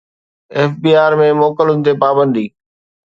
F B R ۾ موڪلن تي پابندي